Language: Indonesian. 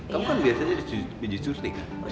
kamu kan biasanya dipijit surti kan